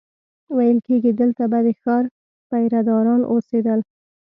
ویل کېږي دلته به د ښار پیره داران اوسېدل.